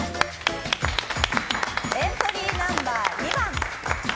エントリーナンバー２番。